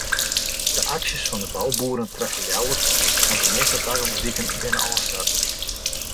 De aksjes fan de bouboeren treffe Ljouwert want de measte tagongsdiken binne ôfsletten.